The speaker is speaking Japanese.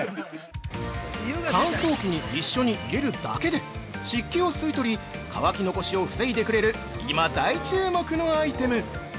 ◆乾燥機に一緒に入れるだけで、湿気を吸い取り、乾き残しを防いでくれる、今、大注目のアイテム！